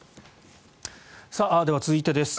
では、続いてです。